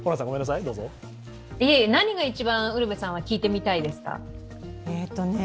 何が一番、ウルヴェさんは聞いてみたいですか？